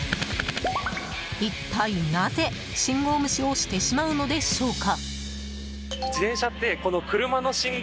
一体なぜ、信号無視をしてしまうのでしょうか。